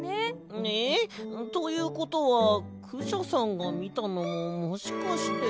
ええ！ということはクシャさんがみたのももしかして。